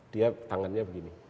dia tangannya begini